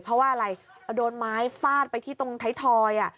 เพราะว่าอะไรโดนไม้ฟาดไปที่ตรงไทยทอย